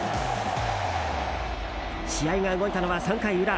試合が動いたのは３回裏。